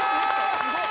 すごい！